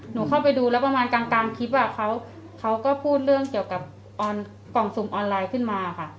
เข้าไปดูแล้วประมาณกลางคลิปเขาก็พูดเรื่องเกี่ยวกับกล่องส่งออนไลน์ขึ้นมาค่ะ